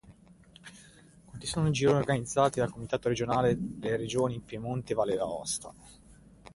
Questi sono i gironi organizzati dal Comitato Regionale delle regioni Piemonte-Valle d'Aosta.